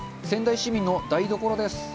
仙台市民の台所です。